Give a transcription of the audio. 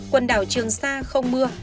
quần đảo trường sa không mưa